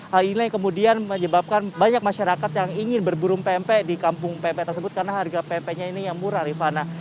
hal ini kemudian menyebabkan banyak masyarakat yang ingin berburu pmp di kampung pmp tersebut karena harga pmpnya ini yang murah rifana